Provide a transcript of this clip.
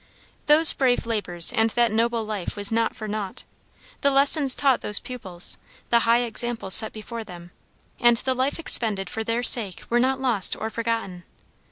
Those brave labors and that noble life was not for nought. The lessons taught those pupils, the high example set before them, and the life expended for their sake were not lost or forgotten.